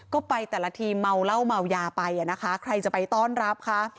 ก็ไปแต่ละทีเมาเหล้าเมายาไปอ่ะนะคะใครจะไปต้อนรับคะ